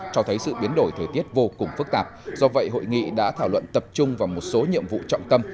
cho thấy sự biến đổi thời tiết vô cùng phức tạp do vậy hội nghị đã thảo luận tập trung vào một số nhiệm vụ trọng tâm